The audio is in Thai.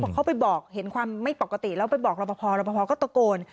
เขาไปบอกเห็นความไม่ปกติแล้วไปบอกรับประพานรับประพานก็ตะโกน